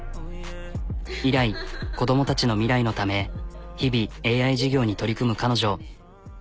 以来子どもたちの未来のため日々ＡＩ事業に取り組む彼女。